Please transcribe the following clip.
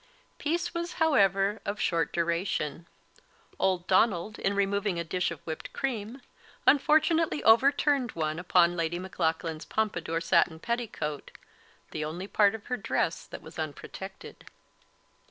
Peace was, however, of short duration. Old Donald, in removing a dish of whipt cream, unfortunately overturned one upon Lady Maclaughlan's pompadour satin petticoat the only part of her dress that was unprotected.